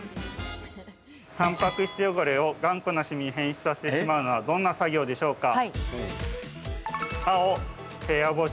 たんぱく質汚れを頑固なしみに変質させてしまうのはどんな作業でしょうか？